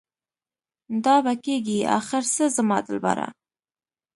دا به کيږي اخر څه زما دلبره؟